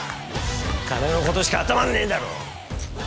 金のことしか頭にねえんだろ？